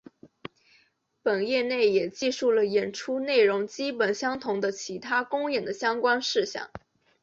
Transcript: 本页内也记述了演出内容基本相同的其他公演的相关事项。